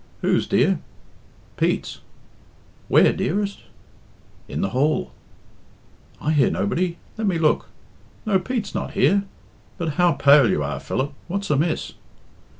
"Who's, dear?" "Pete's." "Where, dearest?" "In the hall." "I hear nobody. Let me look. No, Pete's not here. But how pale you are, Philip. What's amiss?"